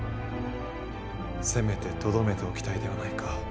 せめてとどめておきたいではないか。